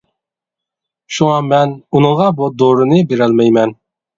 شۇڭا مەن ئۇنىڭغا بۇ دورىنى بېرەلمەيمەن.